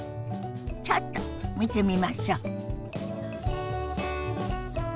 ちょっと見てみましょ。